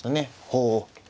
ほう。